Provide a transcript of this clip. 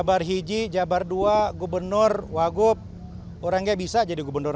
jabar hiji jabar dua gubernur wagub orange bisa jadi gubernur